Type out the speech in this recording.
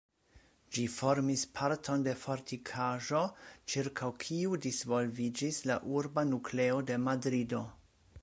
Ĝi formis parton de fortikaĵo, ĉirkaŭ kiu disvolviĝis la urba nukleo de Madrido.